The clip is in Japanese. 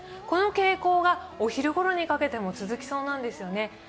この傾向がお昼ごろにかけても続きそうなんですよね。